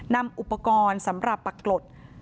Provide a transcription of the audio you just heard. นำอุปกรณ์สำหรับปรากฏ